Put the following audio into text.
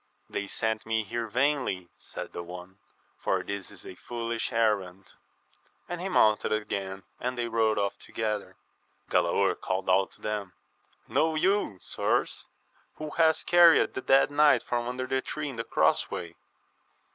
They sent me here vainly, said the one, for this is a foolish errand ; and he mounted again, and they rode off together, Galaor called out to them, Know you, sirs, who hath carried the dead knight from under the tree in the cross way?